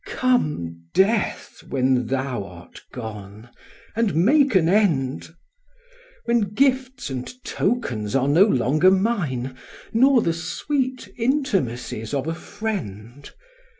Come death, when thou art gone, and make an end! When gifts and tokens are no longer mine, Nor the sweet intimacies of a friend.